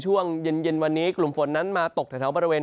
ช่วงเย็นวันนี้กลุ่มฝนนั้นมาตกแถวบริเวณ